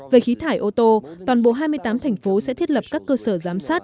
về khí thải ô tô toàn bộ hai mươi tám thành phố sẽ thiết lập các cơ sở giám sát